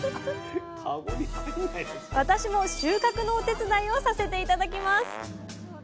私も収穫のお手伝いをさせて頂きます。